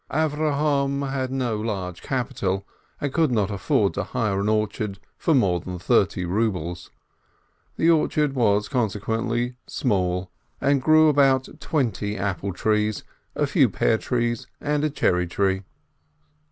Avrohom had no large capital, and could not afford to hire an orchard for more than thirty rubles. The orchard was conse quently small, and only grew about twenty apple trees, a few pear trees, and a cherry tree.